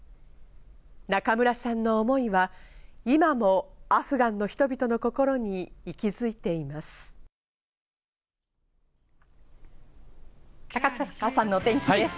中村さんの思いは今もアフガンの人々の心に息づいています。